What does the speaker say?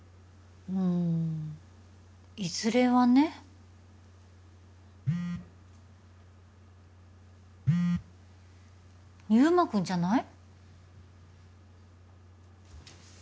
うんいずれはね祐馬君じゃない？